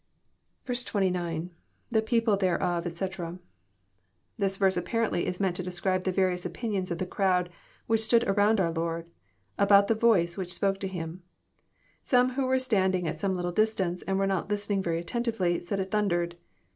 J9. — [The people therefore, etc.'} This verse apparently is meant to describe the various opinions of the crowd which stood around our Lord, about the voice which spoke to Him. Some, who were standing at some little distance, and were not listen ing very attentively, said it thundered.